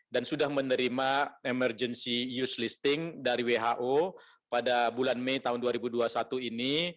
dan sudah menerima emergency use listing dari who pada bulan mei dua ribu dua puluh satu ini